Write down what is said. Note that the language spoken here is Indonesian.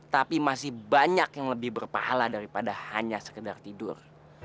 tapi masih banyak yang lebih berpahala daripada hanya sekedar tidur